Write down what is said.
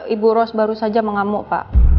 ibu ros baru saja mengamuk pak